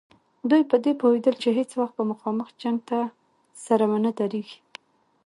دوی په دې پوهېدل چې هېڅ وخت به مخامخ جنګ ته سره ونه دریږي.